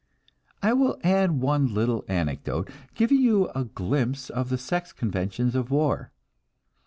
I will add one little anecdote, giving you a glimpse of the sex conventions of war.